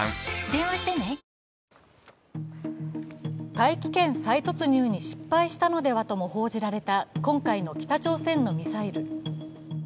大気圏再突入に失敗したのではとも報じられた今回の北朝鮮のミサイル。